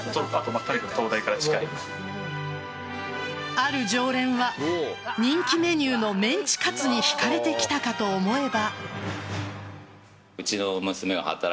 ある常連は人気メニューのメンチカツに引かれてきたかと思えば。